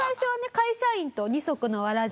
会社員と二足のわらじだったと。